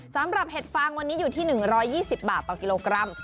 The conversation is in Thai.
เห็ดฟางวันนี้อยู่ที่๑๒๐บาทต่อกิโลกรัม